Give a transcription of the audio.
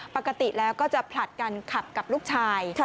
ปกติแล้วก็จะผลัดกันขับกับลูกชาย